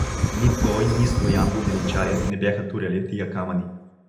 Ни той, ни Стоян воденчарят не бяха туряли тия камъни.